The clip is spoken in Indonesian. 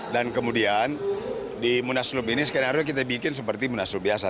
dan kemudian di munasulub ini skenario kita bikin seperti munasulub biasa